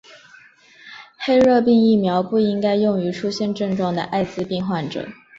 黄热病疫苗不应该用于出现症状的爱滋病患者。